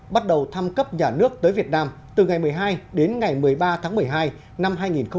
bắt đầu tham cấp nhà nước tới việt nam từ ngày một mươi hai đến ngày một mươi ba tháng một mươi hai năm hai nghìn hai mươi ba